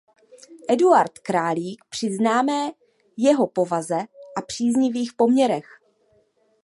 Eduard Králík při známé jeho povaze a příznivých poměrech.